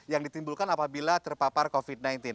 yang ditimbulkan apabila terpapar covid sembilan belas